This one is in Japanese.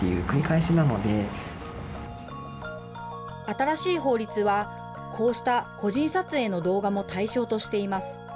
新しい法律は、こうした個人撮影の動画も対象としています。